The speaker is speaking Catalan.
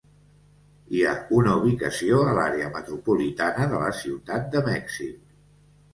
Hi ha una ubicació a l'àrea metropolitana de la Ciutat de Mèxic.